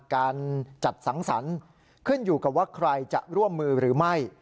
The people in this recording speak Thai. การจัดสังสรรค์ขึ้นอยู่กับว่าใครจะร่วมมือหรือไม่